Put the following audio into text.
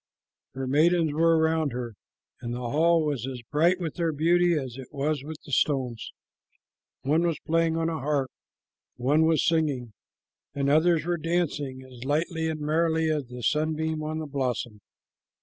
Her maidens were around her, and the hall was as bright with their beauty as it was with the stones. One was playing on a harp, one was singing, and others were dancing as lightly and merrily as a sunbeam on a blossom.